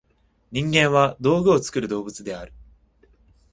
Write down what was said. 人間は「道具を作る動物」である。